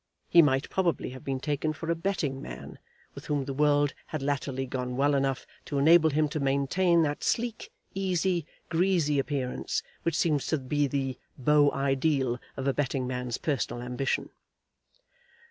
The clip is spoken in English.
He might probably have been taken for a betting man, with whom the world had latterly gone well enough to enable him to maintain that sleek, easy, greasy appearance which seems to be the beau ideal of a betting man's personal ambition.